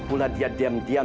saya tidak akan